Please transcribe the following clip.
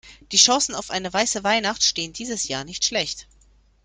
Die Chancen auf eine weiße Weihnacht stehen dieses Jahr nicht schlecht.